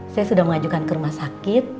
saya sudah mengajukan ke rumah sakit